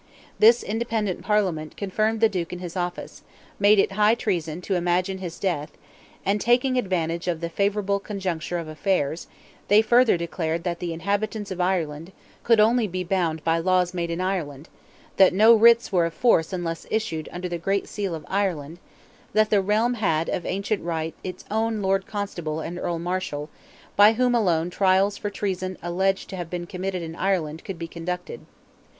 This independent Parliament confirmed the Duke in his office; made it high treason to imagine his death, and—taking advantage of the favourable conjuncture of affairs—they further declared that the inhabitants of Ireland could only be bound by laws made in Ireland; that no writs were of force unless issued under the great seal of Ireland; that the realm had of ancient right its own Lord Constable and Earl Marshal, by whom alone trials for treason alleged to have been committed in Ireland could be conducted.